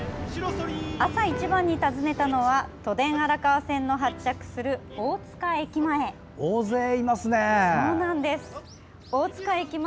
朝一番に訪ねたのは都電荒川線の発着する大塚駅前。